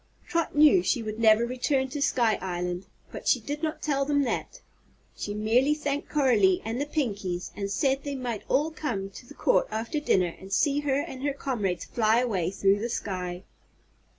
Trot knew she would never return to Sky Island, but she did not tell them that. She merely thanked Coralie and the Pinkies and said they might all come to the Court after dinner and see her and her comrades fly away through the sky.